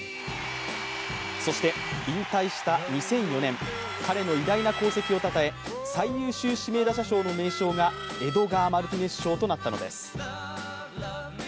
そして、引退した２００４年、彼の偉大な功績をたたえ最優秀指名打者賞の名称がエドガー・マルティネス賞となったのです。